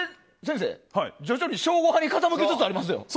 徐々に省吾派に傾きつつありますよ。